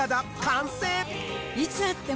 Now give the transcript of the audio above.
いつ会っても。